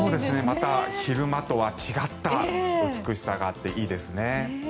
また、昼間とは違った美しさがあっていいですね。